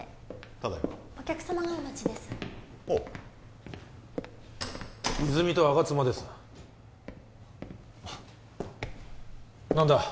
ただいまお客様がお待ちですほう泉と吾妻です何だ？